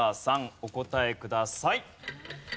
お答えください。